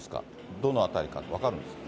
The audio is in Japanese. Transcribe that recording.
どの辺りか分かるんですか？